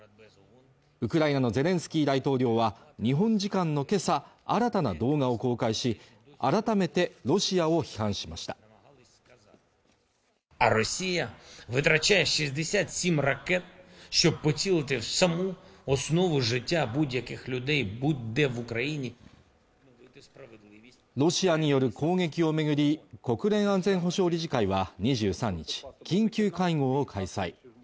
ウクライナのゼレンスキー大統領は日本時間のけさ新たな動画を公開し改めてロシアを批判しましたロシアによる攻撃をめぐり国連安全保障理事会は２３日緊急会合を開催